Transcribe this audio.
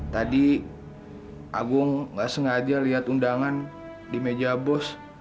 tadi agung gak sengaja lihat undangan di meja bos